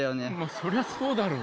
そりゃそうだろう。